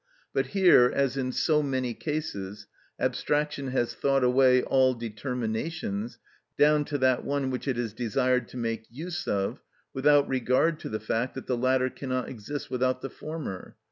But here, as in so many cases, abstraction has thought away all determinations down to that one which it is desired to make use of without regard to the fact that the latter cannot exist without the former.